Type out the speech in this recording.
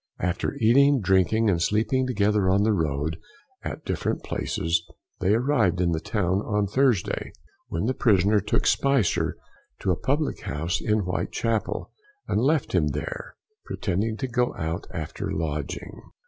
After eating, drinking, and sleeping together on the road at different places, they arrived in town on the Thursday, when the prisoner took Spicer to a public house in Whitechapel, and left him there, pretending to go out after a lodging.